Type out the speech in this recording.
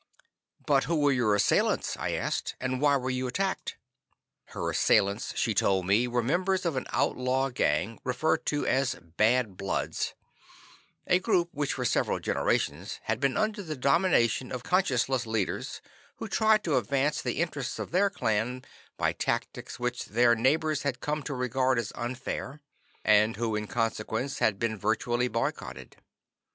"But who were your assailants," I asked, "and why were you attacked?" Her assailants, she told me, were members of an outlaw gang, referred to as "Bad Bloods," a group which for several generations had been under the domination of conscienceless leaders who tried to advance the interests of their clan by tactics which their neighbors had come to regard as unfair, and who in consequence had been virtually boycotted.